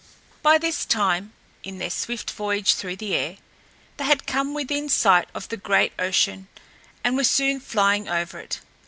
By this time, in their swift voyage through the air, they had come within sight of the great ocean and were soon flying over it.